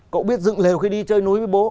cậu biết dựng lều khi đi chơi núi với bố